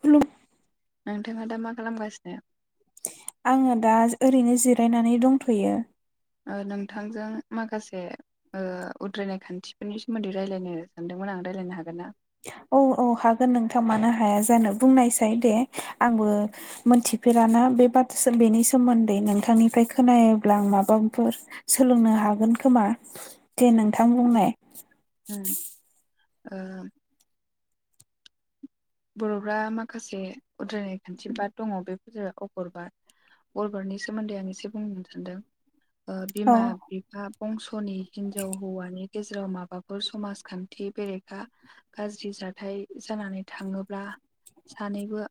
खुलुम नोंथाङा दा मा खालामगासिनो? आङो दा ओरैनो जिरायनानै दंथ'यो। ओ नोंथांजों माखासे उद्रायनाय खान्थिफोरनि सोमोन्दै रायलायनो सानदोंमोन आं रायलायनो हागोनना? औ औ हागोन नोंथां मानो हाया जानो। बुंनायसाय दे आंबो मोनथिफेराना बे बा बेनि सोमोन्दै नोंथांनिफ्राय खोनायोब्ला आं माबाफोर सोलोंनो हागोन खोमा। दे नोंथां बुंनाय। उम ओ बर'फ्रा माखासे उद्रायनाय खान्थि बाद दङ बेफोर जाबाय अगरबाद। अगरबादनि सोमोन्दै आं एसे बुंनो सानदों। औ बिमा बिफा बंस'नि हिनजाव हौवानि गेजेराव माबाफोर समाजखान्थि बेरेखा गाज्रि जाथाय जानानै थाङोब्ला सानैबो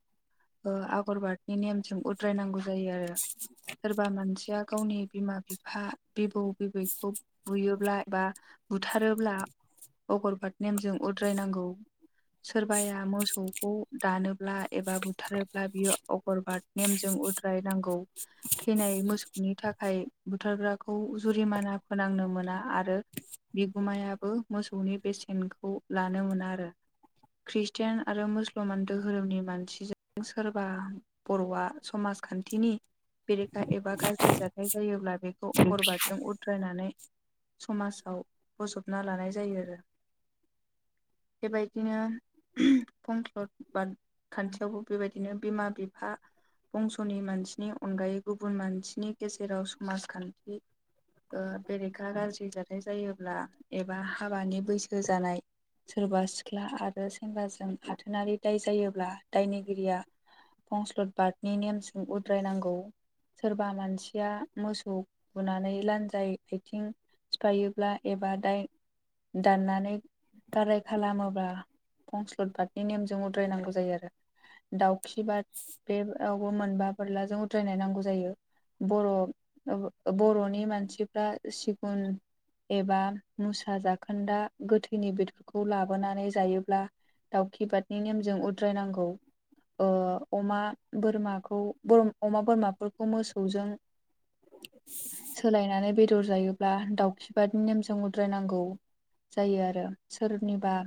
ओ आगरबादनि नेमजों उद्रायनांगौ जायो आरो। सोरबा मानसिया गावनि बिमा बिफा, बिबौ बिबैखौ बुयोब्ला एबा बुथारोब्ला अगरबाद नेमजों उद्रायनांगौ। सोरबाया मोसौखौ दानोब्ला एबा बुथारोब्ला बियो अगरबाद नेमजों उद्रायनांगौ। थैनाय मोसौनि थाखाय बुथारग्राखौ जुरिमाना फोनांनो मोना आरो बिगुमायाबो मोसौनि बेसेनखौ लानो मोना आरो ख्रिस टियान आरो मुसलमान दोहोरोमनि मानसिजों सोरबा बर'आ समाजखान्थिनि बेरेखा एबा गाज्रि जाथाय जायोब्ला बे खौ अगरबादजों उद्रायनानै समाजाव बजबना लानाय जायो आरो बेबायदिनो फंख्लद बाद खान्थियावबो बेबायदिनो बिमा बिफा बंस'नि मानसिनि अनगायै गुबुन मानसिनि गेजेराव समाजखान्थि बेरेखा गाज्रि जाथाय जायोब्ला एबा हाबानि बैसो जानाय सोरबा सिख्ला आरो सेंग्राजों आथोनारि दाय जायोब्ला दायनिगिरिया फंस्लद बादनि नेमजों उद्रायनांगौ। सोरबा मानसिया मोसौ बुनानै लान्जाय आथिं सिफायोब्ला एबा दाय दाननानै गाराय खालामोब्ला फंस्लद बादनि नेमजों उद्रायनांगौ जायो आरो दाउखि बाद बेआव मोनबा बोरलाजों उद्रायनाय नांगौ जायो। बर' बर'नि मानसिफ्रा सिगुन एबा मुसा जाखोन्दा गोथैनि बेदफोरखौ लाबोनानै जायोब्ला दावखि बादनि नेमजों उद्रायनांगौ। ओ अमा बोरमाखौ अमा बोरमाफोरखौ मोसौ जों सोलायनानै बेदर जायो ब्ला दाउखिबादनि नेमजों उद्रायनांगौ जायो आरो सोरनिबा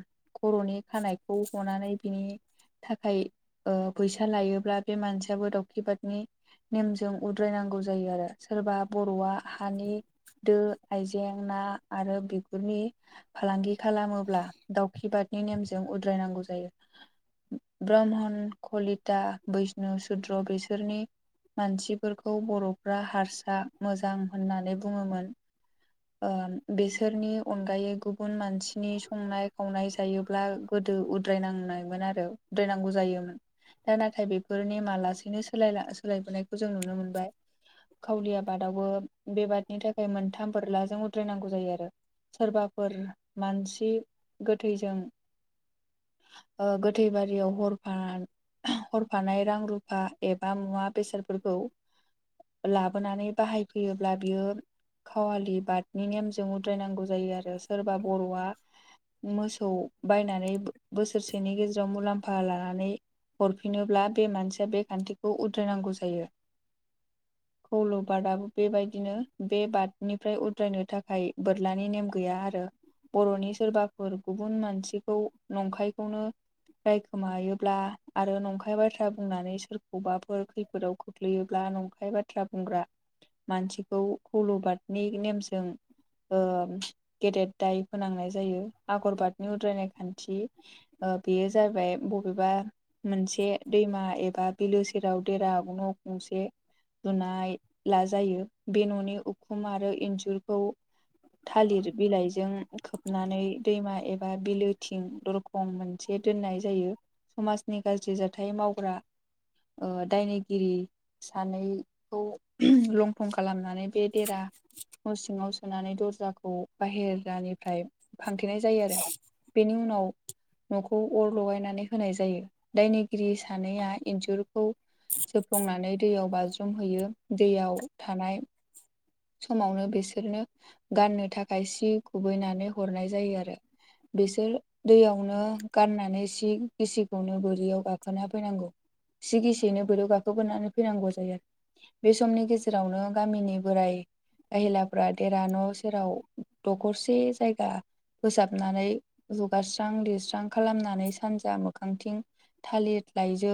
खर खानायखौ हनानै बिनि थाखाय ओ फैसा लायोब्ला बे मानसियाबो दावखिबादनि नेमजों उद्रायनांगौ जायो आरो। सोरबा बर'आ हानि दो आइजें ना आरो बिगुरनि फालांगि खालामोब्ला दावखि बादनि नेमजों उद्रायनांगौ जायो। ब्रह्मन, कलिता, बैष्णु, सुद्र बेसोरनि मानसिफोरखौ बर'फ्रा हारसा मोजां होननानै बुङोमोन। ओ बेसोरनि अनगायै गुबुन मानसिनि संनाय खावनाय जायो। अब्ला गोदो उद्रायनांनायमोन आरो उद्रायनांगौ जायोमोन। दा नाथाय बेफोर नेमा लासैनो स सोलायबोनायखौ जों नुनो मोनबाय। खावलि आबादावबो बेबादनि थाखाय मोनथाम बोरलाजों उद्रायनांगौ जायो आरो। सोरबाफोर मानसि गोथैजों औ गोथै बारियाव हरफा हरफानाय रां रुफा एबा मुवा बेसादफोरखौ लाबोनानै बाहायफैयोब्ला बियो। खावालि बादनि नेमजों उद्रायनांगौ जायो आरो सोरबा बर'आ मोसौ बायनानै बोसोरसेनि गेजेराव मुलाम खफा लानानै हरफिनोब्ला बे मानसिया बे खान्थिखौ उद्रिायनांगौ जायो। [inaudible] कौल' बादआबो बेबायदिनो बे बादनिफ्राय उद्रायनो थाखाय बोरलानि नेम गैया आरो। बर'नि सोरबाफोर गुबुन मानसिखौ नंखायखौनो रायखोमायोब्ला आरो नंखाय बाथ्रा बुंनानै सोरखौबा फोर खैफोदाव खोख्लैयोब्ला नंखाय बाथ्रा बुंग्रा मानसिखौ कौलबादनि नेमजों ओ गेदेर दाय फोनांनाय जायो आगरबादनि उद्रायनाय खान्थि। बेयो जाहैबाय बबेबा मोनसे दैमा एबा बिलो सेराव देरा न' गंसे लुनाय ला जायो बे न'नि उखुम आरो इन्जुरखौ थालिर बिलाइजों खोबनानै दैमा एबा बिलो थिं दरखं मोनसे दोननाय जायो समाजनि गाज्रि जाथाय मावग्रा ओ दायनिगिरि सानैखौ लंथं खालामनानै बे देरा न' सिङाव सोनानै दर्जाखौ बाहेरानिफ्राय फांथेनाय जायो आरो। बेनि उनाव न'खौ अर लगायनानै होनाय जायो दायनिगिरि सानैया इन्जुरखौ जोफ्लंनानै दैयाव बाज्रुमहैयो दैयाव थानाय समावनो बिसोरनो गाननो थाखाय सि गुबुबैनानै हरनाय जायो आरो। बिसोर दैयावनो गाननानै सि गिसिखौनो बोरियाव गाखोना फैनांगौ। सिगिसेयनो बोरौ गाखोबोनानै फैनांगौ जायो आरो बे समनि गेजेरावनो गामिनि बोराय गाहिलाफ्रा देर न' सेराव दखरसे जायगा फोसाबनानै जुगारस्रां लिरस्रां खालामनानै सानजा मोखांथिं थालिर लाइजौ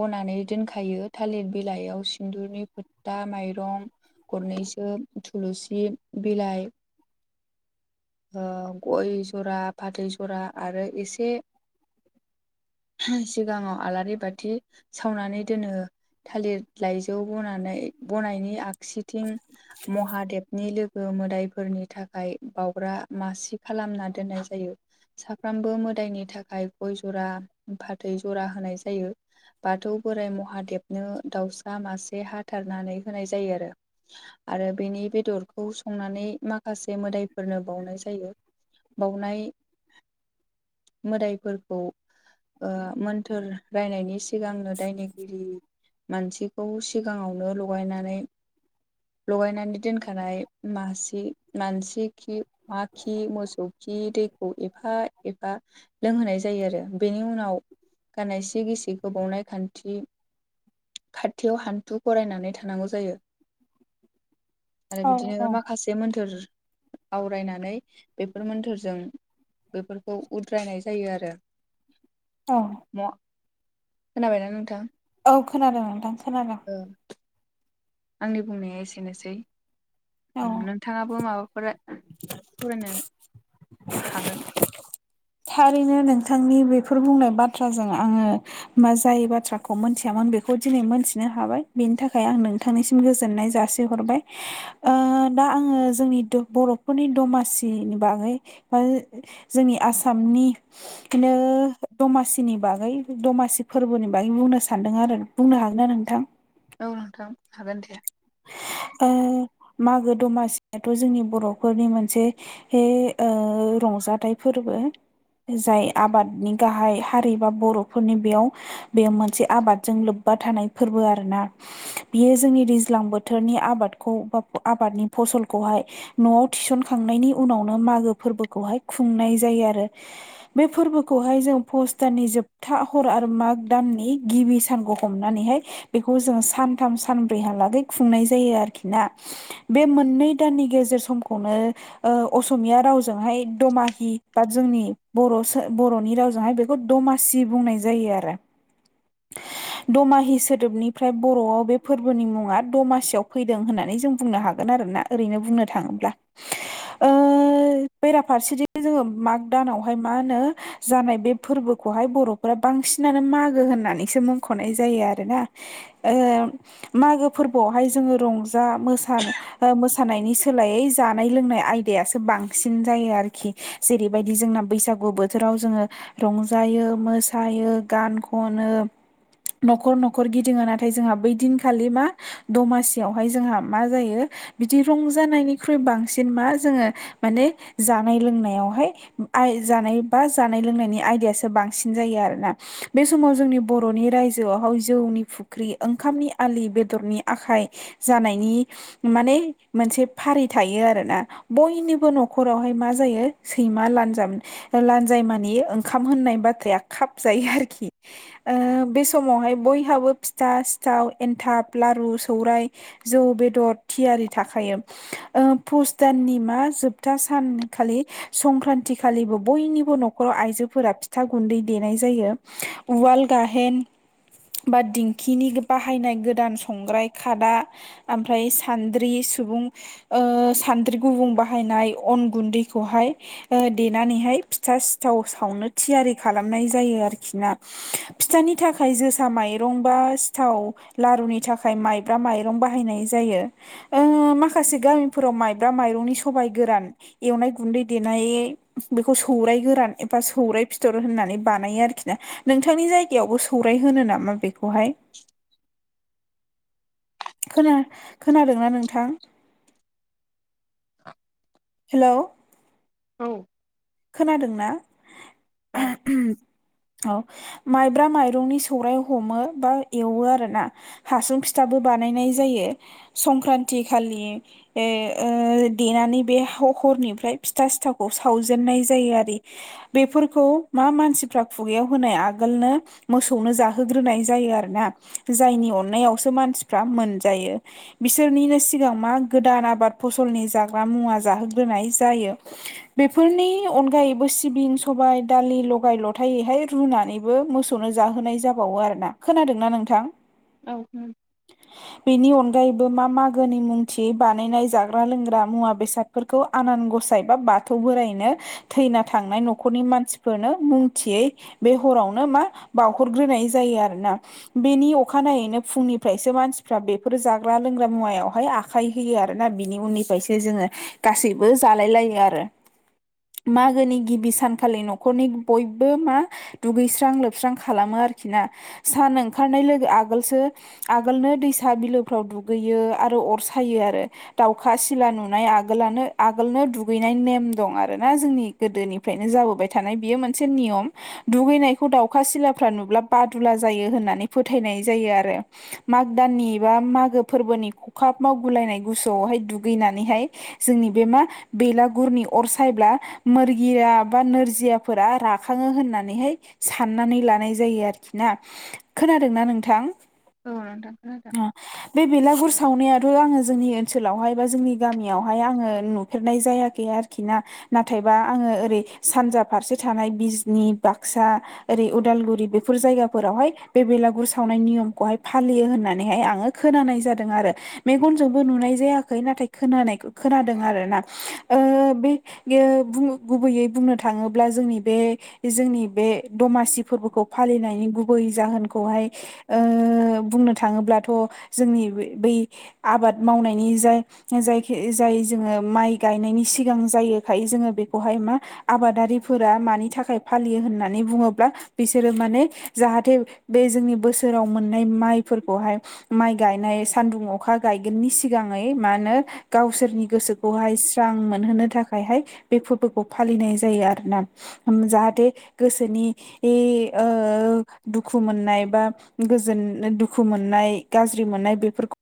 बनानै दोनखायो थालिर बिलाइयाव सिन्दुरनि फोथा माइरं गरनैसो थुलुसि बिलाइ गय जरा फाथै जरा आरो एसे सिगाङाव आलारि बाथि सावनानै दोनो थालिर लाइजौ बनानै बनायनि आगसिथिं महादेबनि लोगो मोदायफोरनि थाखाय बाउग्रा मासि खालामना दोननाय जायो। जायो साफ्रोमबो मोदायनि थाखाय गय जरा फाथै जरा होनाय जायो। बाथौ बोराइ महादेबनो दाउसा मासे हाथारनानै होनाय जायो आरो। आरो बेनि बेदरखौ संनानै माखासे मोदायफोरनो बावनाय जायो। बावनाय मोदायफोरखौ मोन्थोर रायनायनि सिगांनो दायनिगिरि मानसिखौ सिगाङावनो लगायनानै लगायनानै दोनखानाय मासे मानसि खि अमा खि, मोसौ खि दै खौ एफा-एफा लोंहोनाय जायो आरो बेनि उनाव गाननाय सि गिसिखौ बावनाय खान्थि खाथियाव हान्थु खरायनानै थानांगौ जायो आरो औ औ बिदिनो माखासे मोन्थोर आवरायनानै बेफोर मोन्थोरजों बेफोरखौ उद्रायनाय जायो आरो ए म खोनाबायना नोंथां? औ खोनादों नोंथां खोनादों ओ आंनि बुंनाया एसेनोसै औ उम नोंथाङाबो माबाफोर सावरायनो हागोन थारैनो नोंथांनि बेफोर बुंनाय बाथ्राजों आङो मा जाय बाथ्राखौ मोनथियामोन बेखौ दिनै मोनथिनो हाबाय बेनि थाखाय आं नों नोंथांनिसिम गोजोननाय जासिहरबाय ओ दा आङो जोंनि द बर'फोरनि दमासिनि बागै [inaudible] जोंनि आसामनि दिनो दमासिनि बागै दमासि फोरबोनि बागै बुंनो सानदों आरोना बुंनो हागोनना नोंथां औ नोंथां हागोन दे ओ मागो दमासियाथ' जोंनि बर'फोरनि मोनसे हे ओ रंजाथाइ फोरबो जाय आबादनि गाहाय हारि बा बर'फोरनि बेयाव बेयो मोनसे आबादजों लोब्बा थानाय फोरबो आरोना बियो जोंनि दैज्ल लां बोथोरनि आबादखौ बा आबादनि फसलखौहाय न'आव थिसनखांनायनि उनावनो मागो फोरबोखौहाय खुंनाय जायो आरो बे फोरबोखौहाय जों पुस दाननि जोब था हर आरो माग दाननि गिबि सानखौ हमनानैहाय बेखौ जों सानथाम सानब्रैहालागै खुंनाय जायो आरोखि ना बे मोननै दाननि गेजेर समखौनो ओ असमिया रावजोंहाय दमाहि बा जोंनि बर' सो बर'नि रावजोंहाय बेख खौ दमासि बुंनाय जायो आरो [unintelligible] दमाहि सोदोबनिफ्राय बर'आव बे फोरबोनि मुङा दमासियाव फैदों होननानै जों बुंनो हागोन आरोना ओरैनो बुंनो थाङोब्ला ओ बेराफारसेथि जोङो माग दानावहाय मा होनो जानाय बे फोरबोखौहाय बर'फोरा बांसिनानो मागो होननानैसो मुंख'नाय जायो आरोना ओहो मागो फोरबोआवहाय जोङो रंजा मोसानो ओ मोसानायनि सोलायै जानाय लोंनाय आयदायासो बांसिन जायो आरोखि। जेरैबायदि जोंना बैसागु बोथोराव जोङो रंजायो मोसायो गान खनो न'खर न'खर गिदिङो नाथाय जोंहा बै दिनखालि मा दमासियावहाय जोंहा मा जायो बिदि रंजानायनिख्रुइ बांसिन मा जोङो माने जानाय लोंनायावहाय आय जानाय बा जानाय लोंनायनि आयदायासो बांसिन जायो आरोना। बे समाव जोंनि बर'नि रायजोआवहाय जौनि फुख्रि ओंखामनि आलि बेद दरनि आखाइ जानायनि माने मोनसे फारि थायो आरोना। बयनिबो न'खरावहाय मा जायो सैमा लानजाब लानजायमानि ओंखाम होननाय बाथ्राया खाबजायो आरोखि ओ बे समावहाय बयहाबो फिथा सिथाव एनथाब लारु सौराय जौ बेदर थियारि थाखायो। ओ पुस दाननि मा जोबथा सान खालि संक्रान्तिखालिबो बयनिबो न'खराव आइजोफोरा फिथा गुन्दै देनाय जायो। उवाल गाहेन बा दिंखिनि बाहायनाय गोदान सम संग्राय खादा ओमफ्राय सान्द्रि सुबुं सान्द्रि गुबुं बाहायनाय अन गुन्दैखौहाय। देनानैहाय फिथा सिथाव सावनो थियारि खालामनाय जायो आरोखिना। फिथानि थाखाय जोसा माइरं बा सिथाव लारुनि थाखाय। थाखाय माइब्रा माइरं बाहायनाय जायो। ओ माखासे गामिफोराव माइब्रा माइरंनि सबाय गोरान एवनाय गुन्दै देनाय बेखौ सौराय गोरान एबा सौराय फिथर होननानै बानायो आरोखिना। नोंथांनि जायगायावबो सौराय होनो नामा बेखौहाय [inaudible] खोनादोंना नोंथां। [inaudible] हेल'। औ। खोनादोंना औ औ। माइब्रा माइरंनि सौराइ हमो बा एवो आर ना हासुं फिथाबो बानायनाय जायो संक्रान्ति खालि। देनानै बे हरनिफ्राय फिथा सिथावखौ सावजे सुजेननाय जायो आरो बेफोरखौ मा मानसिफ्रा खुगायाव होनाय आगोलनो। मोसौनो जाहोग्रोनाय जायो आरोना जायनि अननायावसो मानसिफ्रा मोनजायो। बिसोरनिनो सिगां मा गोदान आबाद फसलनि जाग्रा मुवा जाहोग्रोनाय जायो। बेफोरनि अनगायैबो सिबिं सबाय दालि लगाय लथायैहाय रुनानै बेबो मोसौनो जाहोनाय जाबावो आरोना खोनादोंना नोंथां। औ। बेनि अनगायैबो मा मागोनि मुंथि बानायनाय जाग्रा लोंग्रा मुवा बेसाद। फोरखौ आनान गसाय बा बाथौ बोराय। थैना थांनाय न'खरनि मानसिफोरनो मुं थियै बे हरावनो मा बावहरग्रोनाय जायो आरोना। बेनि अखानायैनो फुंनिफ्रायसो मानसिफ्रा बेफोर जाग्रा लोंग्रा मुवायावहाय आ आखाइ होयो आरोना बिनि उननिफ्रायसो जोङो गासैबो जालाय लायो आरो। मागोनि गिबि सानखालि न'खरनि बयबो मा दुगैस्रां लोबस्रां खालामो आरोखिना सान ओंखारनाय लोगो आगोलसो आगोलनो दैसा बिलोफ्राव दुगैयो आरो अर सायो आरो। दावखा सिला नुनाय आगोलनो आगोलनो दुगैनाय नेम दं आरो। आरोना जोंनि गोदोनिफ्रायनो जाबोबाय थानाय बियो मोनसे नियम। दुगैनायखौ दाउखा सिलाफ्रा नुब्ला बादुला जायो होननानै फोथायनाय जायो आरो मागो दाननि बा मागो फोरबोनि खखाब मावगुलायनाय गुसुआवहाय दुगैनानैहाय जोंनि बे मा बेलागुरनि अर सायब्ला मोरगिया बा नोरजियाफोरा राखाङो होननानैहाय। साननानै लानाय जायो आरोखि ना खोनादोंना नोंथां। औ नोंथां खोनादों। ओ बे बेलागुर सावनायाथ' आङो जोंनि ओनसोलावहाय बा जोंनि गामियावहाय आङो न फेरनाय जायाखै आरोखि ना नाथायबा आङो ओरै सानजा फारसे थानाय बिजनि बाक्सा ओरै उदालगुरि बेफोर जायगाफोरावहाय बे बेलागुर सावनाय नियमखौहाय फालियो होननानैहाय आङो खोनानाय जादों आरो मेगनजोंबो नुनाय जायाखै नाथाय खोनानाय खोनादों आर ना बे बे गुबैयै बुंनो थाङोब्ला जोंनि बे जोंनि बे दमासि फोरबोखौ फालिनायनि गुबै जाहोनखौहाय ओ‌ बुंनो थाङोब्लाथ' जोंनि बै आबाद मावनायनि जाय जायखि जाय जोङो माइ गायनायनि सिगां जायो। थाखायो जोङो बेखौहाय मा आबादारिफोरा मानि थाखाय फालियो होननानै बुङोब्ला बिसोरो माने जाहाथे बे जोंनि बोसोराव मोननाय माइफोरखौहाय माइ गायनाय सान्दुं अखा गायगोननि सिगाङै मा होनो। गावसोरनि गोसोखौहाय स्रां मोनहोनो थाखाय थाखायहाय बे फोरबोखौ फालिनाय जायो आरो ना जाहाथे गोसोनि ए ओ दुखु मोननाय बा गोजोन दुखु मोननाय गाज्रि मोननाय बेफोरखौ